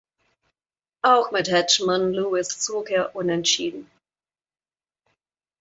Auch mit Hedgemon Lewis zog er unentschieden.